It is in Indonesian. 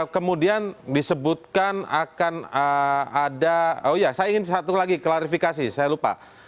kemudian disebutkan akan ada oh ya saya ingin satu lagi klarifikasi saya lupa